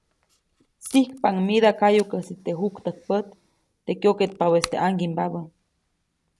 Sijkpaʼuŋ mida kayukäsi teʼ juktäjkpät, teʼ kyoketpabäʼis teʼ ʼaŋgiʼmbabä.